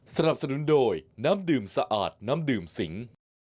สนับสนุนโดยน้ำดื่มสะอาดน้ำดื่มสิง